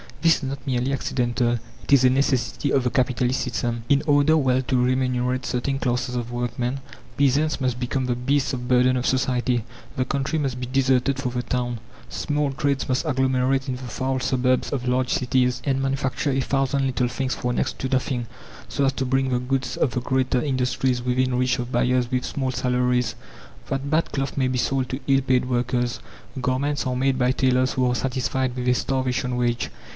This is not merely accidental, it is a necessity of the capitalist system. In order well to remunerate certain classes of workmen, peasants must become the beasts of burden of society; the country must be deserted for the town; small trades must agglomerate in the foul suburbs of large cities, and manufacture a thousand little things for next to nothing, so as to bring the goods of the greater industries within reach of buyers with small salaries. That bad cloth may be sold to ill paid workers, garments are made by tailors who are satisfied with a starvation wage!